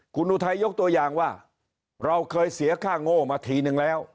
คุณอุทัยยกตัวอย่างว่าเราเคยเสียค่าโง่มาทีนึงแล้ว